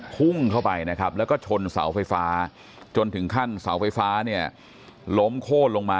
พุ่งเข้าไปนะครับแล้วก็ชนเสาไฟฟ้าจนถึงขั้นเสาไฟฟ้าเนี่ยล้มโค้นลงมา